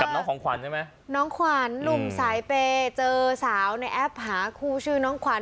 น้องของขวัญใช่ไหมน้องขวัญหนุ่มสายเปย์เจอสาวในแอปหาคู่ชื่อน้องขวัญ